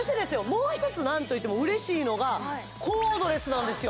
もう一つなんと言っても嬉しいのがコードレスなんですよ